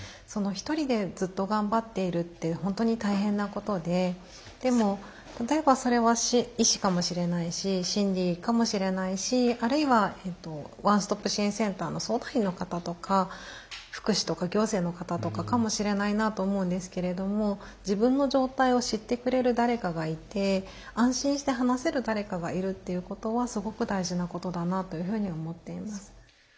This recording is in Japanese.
一人でずっと頑張っているって本当に大変なことででも例えばそれは医師かもしれないし心理かもしれないしあるいはワンストップ支援センターの相談員の方とか福祉とか行政の方とかかもしれないなと思うんですけれども自分の状態を知ってくれる誰かがいて安心して話せる誰かがいるということはすごく大事なことだなというふうに思っています。